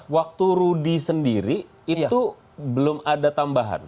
waktu rudy sendiri itu belum ada tambahan